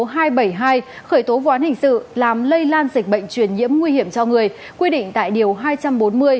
khởi tố vụ án hình sự làm lây lan dịch bệnh truyền nhiễm nguy hiểm cho người quy định tại điều hai trăm bốn mươi